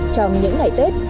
trong những ngày tết